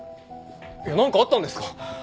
何かあったんですか？